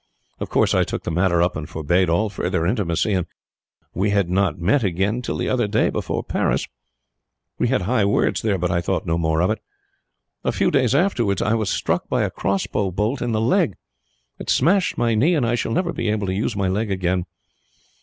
Of course I took the matter up and forbade all further intimacy, and we had not met again till the other day before Paris. We had high words there, but I thought no more of it. A few days afterwards I was struck by a crossbow bolt in the leg. It smashed my knee, and I shall never be able to use my leg again.